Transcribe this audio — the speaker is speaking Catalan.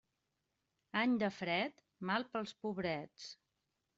Any de fred, mal pels pobrets.